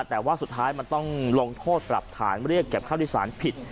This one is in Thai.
แต่ว่าสุดท้ายมันต้องลงโทษปรับฐานเรียกเก็บข้าวที่สารผิด